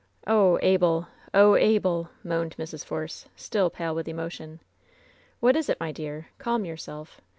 "Oh, Abel! Oh, Abel!" moaned Mrs. Force, still pale with emotion. "What is it, my dear? Calm yourself!